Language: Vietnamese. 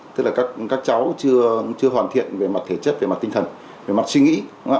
tức là các cháu chưa hoàn thiện về mặt thể chất về mặt tinh thần về mặt suy nghĩ